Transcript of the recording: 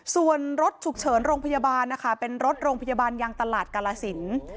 ส่วนรถฉุกเฉินโรงพยาบาลนะคะเป็นรถโรงพยาบาลยังตลาดกาลสิน